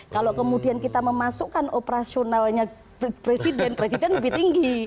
kalau kemudian kita memasukkan operasionalnya presiden presiden lebih tinggi